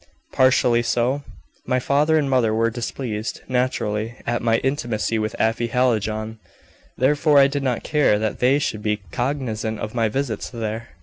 "Partially so. My father and mother were displeased, naturally, at my intimacy with Afy Hallijohn; therefore I did not care that they should be cognizant of my visits there.